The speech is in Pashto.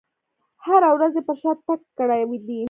هره ورځ یې پر شا تګ کړی دی.